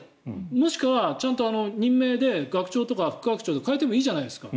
もしくは、ちゃんと任命で学長とか副学長代えてもいいじゃないですか。